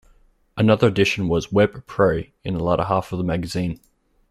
Another addition was "Web Pro" in the latter half of the magazine.